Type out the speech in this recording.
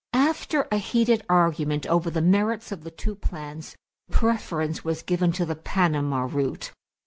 After a heated argument over the merits of the two plans, preference was given to the Panama route.